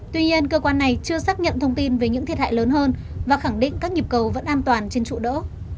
tuy nhiên cơ quan này chưa xác nhận thông tin về những thiệt hại lớn hơn và khẳng định các nhịp cầu vẫn an toàn trên trụ đỡ